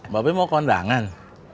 mbak peh mau ke undangan